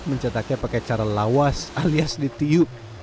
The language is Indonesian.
mencetaknya pakai cara lawas alias ditiup